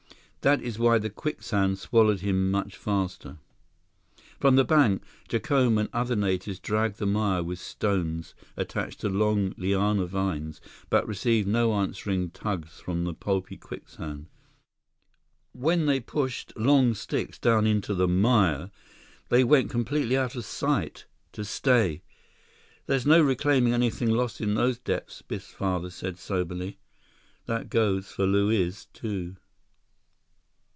That is why the quicksand swallowed him much faster." From the bank, Jacome and other natives dragged the mire with stones attached to long liana vines, but received no answering tugs from the pulpy quicksand. When they pushed long sticks down into the mire, they went completely out of sight, to stay. "There's no reclaiming anything lost in those depths," Biff's father said soberly. "That goes for Luiz, too."